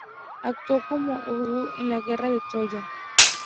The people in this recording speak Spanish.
Actuó como augur en la guerra de Troya.